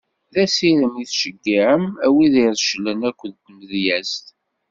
D asirem tettceyyiɛem a wid ireclen akked tmedyezt.